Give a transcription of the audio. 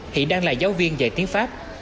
hiện đang là giáo viên dạy tiếng pháp